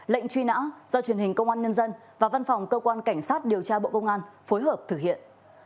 lệnh truy nã do truyền hình công an nhân dân và văn phòng cơ quan cảnh sát điều tra bộ công an phối hợp thực hiện